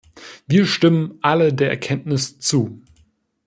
Wir stimmen alle der Erkenntnis zu.